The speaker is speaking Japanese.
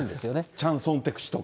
チャン・ソンテク氏とか。